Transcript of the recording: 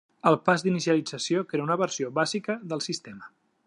El pas d'inicialització crea una versió bàsica del sistema.